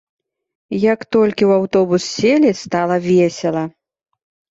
Як толькі ў аўтобус селі, стала весела.